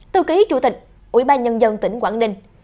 tư ký chủ tịch ubnd tỉnh quảng ninh